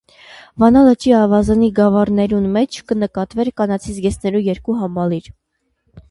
Վանայ լճի աւազանի գաւառներուն մէջ կը նկատուէր կանացի զգեստներու երկու համալիր։